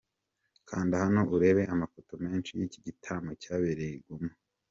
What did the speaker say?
Kanda hano urebe amafoto menshi y’iki gitaramo cyabereye i Ngoma.